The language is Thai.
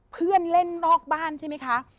เพื่อนเล่นนอกบ้านใช่ไหมคะ